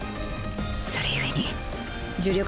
それゆえに呪力